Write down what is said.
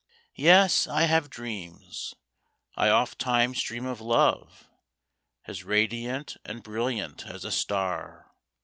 Yes, I have dreams. I ofttimes dream of Love As radiant and brilliant as a star.